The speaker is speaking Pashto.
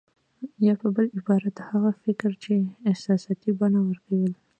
يا په بل عبارت هغه فکر چې احساساتي بڼه ورکول کېږي.